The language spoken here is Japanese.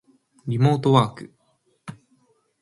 リモートワーク